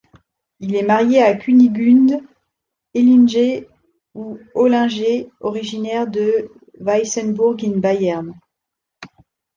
Il est marié à Kunigunde Ellinger ou Oellinger originaire de Weißenburg in Bayern.